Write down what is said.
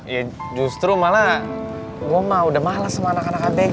ya justru malah gue mah udah males sama anak anak abk